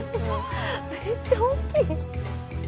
めっちゃ大きい！